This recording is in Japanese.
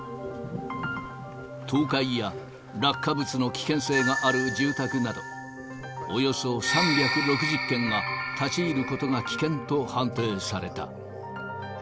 倒壊や落下物の危険性がある住宅など、およそ３６０軒が立ち入ることが危険と判定された。